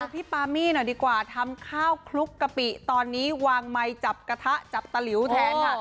พี่ปามี่หน่อยดีกว่าทำข้าวคลุกกะปิตอนนี้วางไมค์จับกระทะจับตะหลิวแทนค่ะ